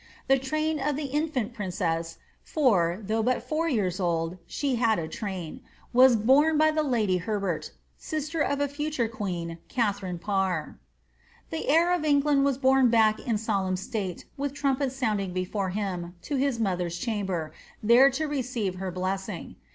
The train of the in&nX princess, — for, though but four years old, she had a train, — was borne by the lady Herbert, sister of a future queen, Katharine Parr. The heir of England was borne back in solemn state, with trumpets sounding before him, to his mother's chamber, there to receive her blessing.